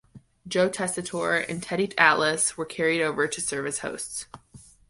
Joe Tessitore and Teddy Atlas were carried over to serve as hosts.